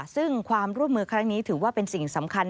ซึ่งความร่วมมือครั้งนี้ถือว่าเป็นสิ่งสำคัญ